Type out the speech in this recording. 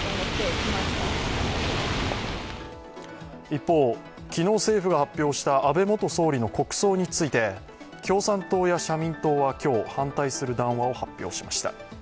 一方、昨日政府が発表した安倍元総理の国葬について共産党や社民党は今日、反対する談話を発表しました。